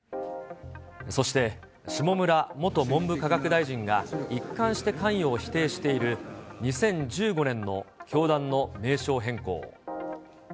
そして、下村元文部科学大臣が、一貫して関与を否定している、２０１５年の教団の名称変更。